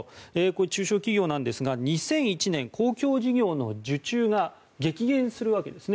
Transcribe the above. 中小企業なんですが２００１年、公共事業の受注が激減するわけですね。